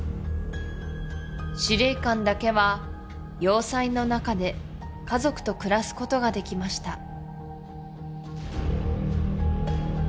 司令官だけは要塞の中で家族と暮らすことができました